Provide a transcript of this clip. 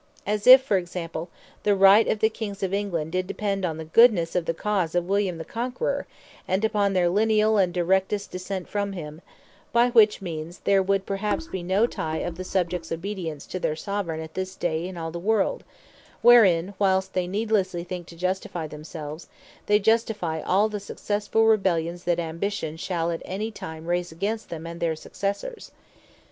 As if, for example, the Right of the Kings of England did depend on the goodnesse of the cause of William the Conquerour, and upon their lineall, and directest Descent from him; by which means, there would perhaps be no tie of the Subjects obedience to their Soveraign at this day in all the world: wherein whilest they needlessely think to justifie themselves, they justifie all the successefull Rebellions that Ambition shall at any time raise against them, and their Successors.